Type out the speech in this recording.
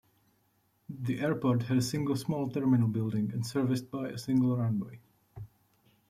The airport has a single small terminal building and serviced by a single runway.